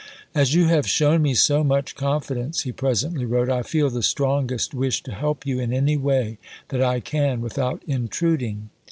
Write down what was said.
"As you have shown me so much confidence," he presently wrote, "I feel the strongest wish to help you in any way that I can without intruding."